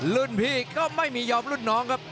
รุ่นพี่ก็ไม่มียอมรุ่นน้องครับ